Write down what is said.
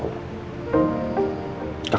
kamu juga harus tahu